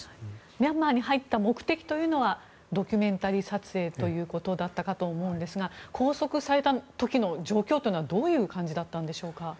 ミャンマーに入った目的というのはドキュメンタリー撮影ということだったかと思うんですが拘束された時の状況はどういう感じだったんでしょうか。